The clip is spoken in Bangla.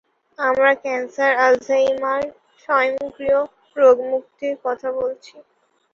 আমরা ক্যান্সার, আলঝেইমার, স্বয়ংক্রিয় রোগমুক্তির কথা বলছি।